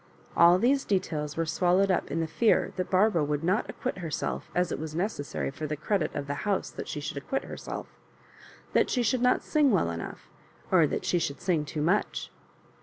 All these details were swallowed up in the fear that Barbara would not acquit her self as it was necessary for the credit of the house that she should acquit herself; that she should not sing well enough, or that she should sing too much.